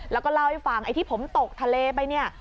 แล้วก็เล่าให้ฟังไอ้ที่ผมตกทะเลไปเนี่ย